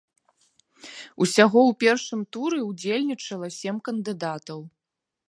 Усяго ў першым туры ўдзельнічала сем кандыдатаў.